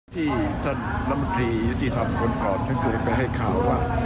ที่ท่านน้ำมันทรียุทธิธรรมค้นพรฉันกลุ่มไปให้ข่าวว่า